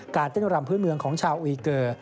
เต้นรำพื้นเมืองของชาวอุยเกอร์